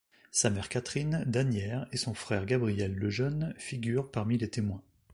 Sa mère Catherine d’Asnières et son frère Gabriel le jeune figurent parmi les témoins.